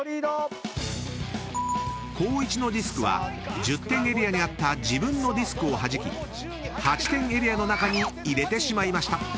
［光一のディスクは１０点エリアにあった自分のディスクをはじき８点エリアの中に入れてしまいました］